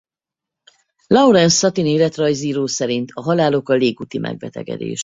Lawrence Sutin életrajzíró szerint a halál oka légúti megbetegedés.